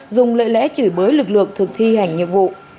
dùng lợi lẽ chửi bới lực lượng thực thi hành nhiệm vụ